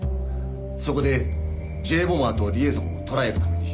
そこでＪ・ボマーとリエゾンをとらえるために。